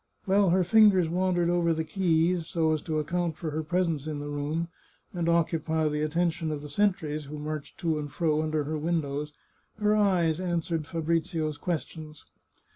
While her fingers wandered over the keys, so as to account for her presence in the room, and occupy the attention of the sentries who marched to and fro under her windows, her eyes answered Fabrizio's questions.